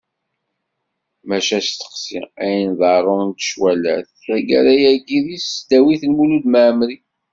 Maca asteqsi: Ayen ḍarrunt cwalat, taggara-agi, deg tesdawit n Mulud Mɛemmri?